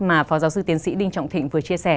mà phó giáo sư tiến sĩ đinh trọng thịnh vừa chia sẻ